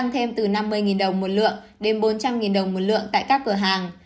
thêm từ năm mươi đồng một lượng đến bốn trăm linh đồng một lượng tại các cửa hàng